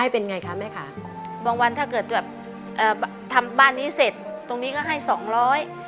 บางวันถ้าเกิดแบบเอ่อทำบ้านนี้เสร็จตรงนี้ก็ให้สองร้อย